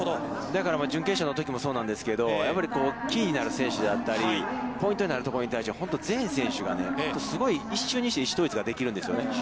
だから準決勝のときもそうなんですけど、やっぱりキーになる選手であったり、ポイントになるところに対して本当に全選手がすごい一瞬にして意思統一ができるんです。